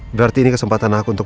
berarti ini kesempatan aku untuk